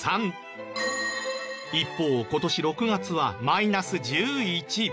一方今年６月はマイナス１１。